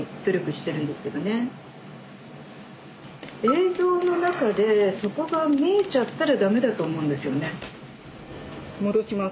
映像の中でそこが見えちゃったらダメだと思うんですよね。